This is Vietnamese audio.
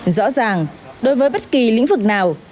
rõ ràng đối với bất kỳ lĩnh vực nào